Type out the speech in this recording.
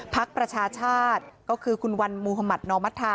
พักประชาชาติก็คือคุณวรรค์มมภตนมธา